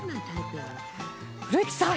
古市さん